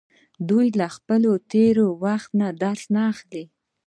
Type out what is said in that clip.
دوی له خپل تیره وخت نه درس اخلي.